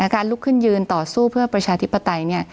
การลุกขึ้นยืนต่อสู้เพื่อประชาธิปไตย